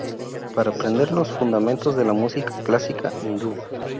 Para aprender los fundamentos de la música clásica hindú.